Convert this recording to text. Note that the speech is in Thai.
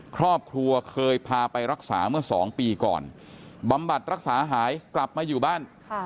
ครอบครัวเคยพาไปรักษาเมื่อ๒ปีก่อนบำบัดรักษาหายกลับมาอยู่บ้าน